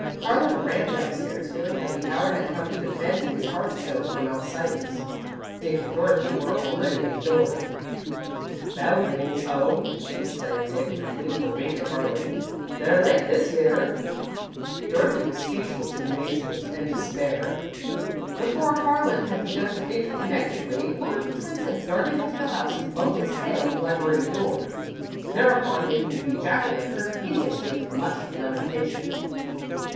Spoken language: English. Harlan ran downstairs, feeling that the hour had come to defend his hearthstone from outsiders. Dick and Dorothy were already at the door. "Foundlings' Home," explained Dick, briefly, with a wink at Harlan. "They're late this year." Dorothy was speechless with amazement and despair. Before Harlan had begun to think connectedly, one of the twins had darted into the house and bumped its head on the library door, thereupon making the Jack o' Lantern hideous with much lamentation.